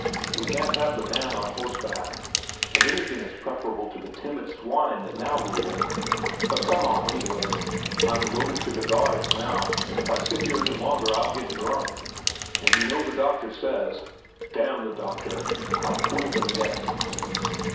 We can't have the man on horseback, and anything is preferable to the timid swine that now rule. But come on, anyway. I'm loaded to the guards now, and if I sit here any longer, I'll get drunk. And you know the doctor says—damn the doctor! I'll fool him yet."